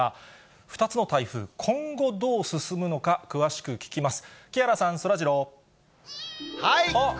２つの台風、今後どう進むのか、詳しく聞きます。